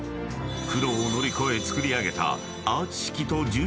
［苦労を乗り越え造り上げた］